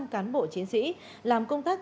bốn trăm linh cán bộ chiến sĩ làm công tác